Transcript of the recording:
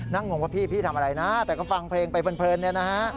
นั่งงงว่าพี่ทำอะไรนะแต่ก็ฟังเพลงไปเพลินนะฮะ